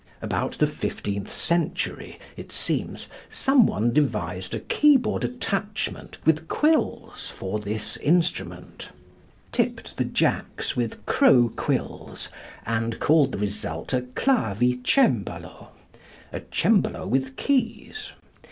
About the fifteenth century, it seems, some one devised a keyboard attachment with quills for this instrument, tipped the jacks with crow quills, and called the result a clavicembalo (a cembalo with keys).